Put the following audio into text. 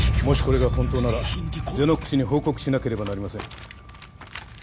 もしこれが本当ならゼノックスに報告しなければなりません